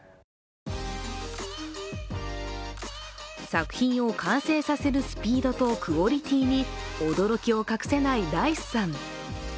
作品を完成させるスピードとクオリティーに驚きを隠せない、らいすさん。